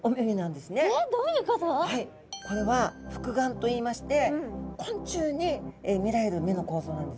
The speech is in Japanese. これは複眼といいまして昆虫に見られる目の構造なんですね。